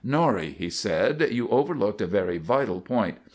"Norrie," he said, "you overlooked a very vital point.